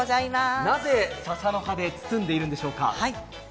なぜささの葉で包んでいるんでしょうか？